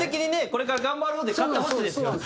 「これから頑張ろう」で買ってほしいですよね。